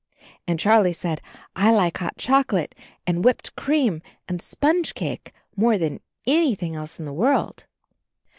And Charlie said, "I like hot chocolate and whipped cream and sponge cake more than anything else in the world."